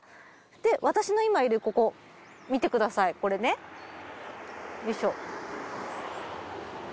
私の今いるここ見てくださいこれね。よいしょ。